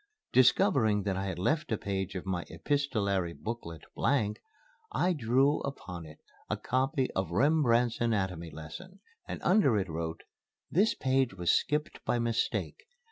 Discovering that I had left a page of my epistolary booklet blank, I drew upon it a copy of Rembrandt's Anatomy Lesson, and under it wrote: "This page was skipped by mistake.